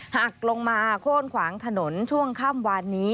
หักลงมาโค้นขวางถนนช่วงค่ำวานนี้